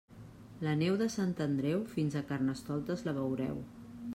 La neu de Sant Andreu, fins a Carnestoltes la veureu.